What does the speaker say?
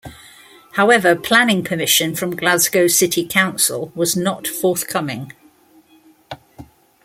However, planning permission from Glasgow City Council was not forthcoming.